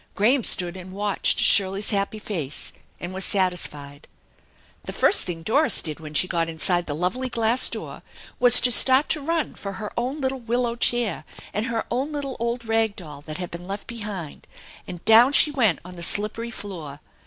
Graham stood and watched Shirley's happy face and was satisfied. The first thing Doris did when she got inside the lovely glass door was to start to run for her own little willow chair and her own little old rag doll that had been left behind, and down she went on the slippery floor.